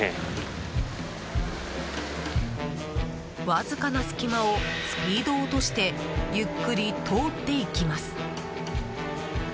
わずかな隙間をスピードを落としてゆっくり通っていきます。